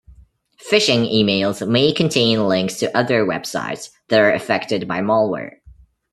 Phishing emails may contain links to other websites that are affected by malware.